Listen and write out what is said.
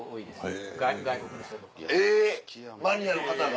えぇマニアの方が？